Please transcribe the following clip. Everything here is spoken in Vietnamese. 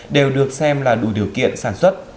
đều được xem là đủ được